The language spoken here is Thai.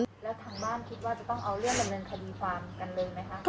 แล้วทางบ้านคิดว่าจะต้องเอาเรื่องดำเนินคดีความกันเลยไหมคะ